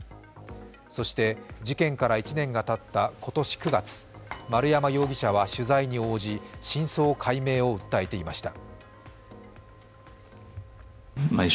そして事件から１年がたった今年９月、丸山容疑者は取材に応じ真相解明を訴えていました。